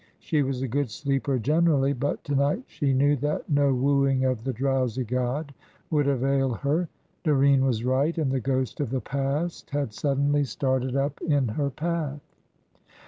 She was a good sleeper generally, but to night she knew that no wooing of the drowsy god would avail her. Doreen was right, and the ghost of the past had suddenly started up in her path.